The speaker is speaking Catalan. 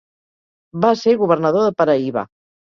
Va ser Governador de Paraíba.